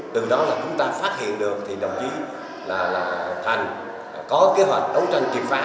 từ đó chúng ta phát hiện được đồng chí thành có kế hoạch đấu tranh chiếc phá